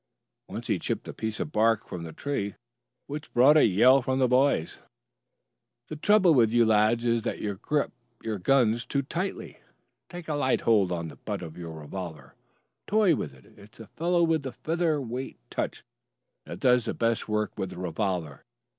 Once he chipped a piece of bark from the tree, which brought a yell from the boys. "The trouble with you lads is that you grip your guns too tightly. Take a light hold on the butt of your revolver. Toy with it. It's the fellow with the feather weight touch that does the best work with the revolver.